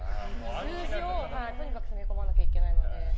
数字をとにかく詰め込まなきゃいけないので。